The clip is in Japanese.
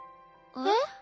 えっ？